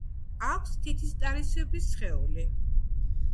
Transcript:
აქვს თითისტარისებრი სხეული.